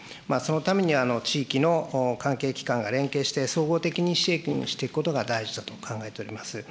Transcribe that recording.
そのために地域の関係機関が連携して、総合的に支援していくことが大事だと考えております。